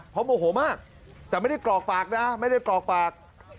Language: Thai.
เพราะโมโหมากแต่ไม่ได้กรอกปากนะไม่ได้กรอกปาก